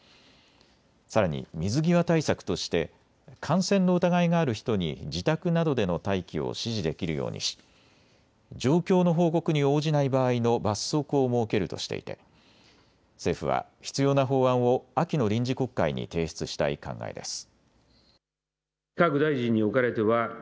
さらに水際対策として感染の疑いがある人に自宅などでの待機を指示できるようにし、状況の報告に応じない場合の罰則を設けるとしていて政府は必要な法案を秋の臨時国会に提出したい考えです。